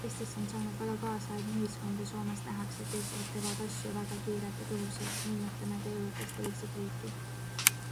Eestist on saanud väga kaasaegne ühiskond ja Soomes nähakse, et eestlased teevad asju väga kiirelt ja tõhusalt, me imetleme teie õhukest ja lihtsat riiki.